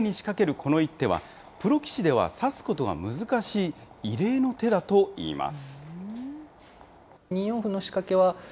この一手は、プロ棋士では指すことが難しい、異例の手だといいます。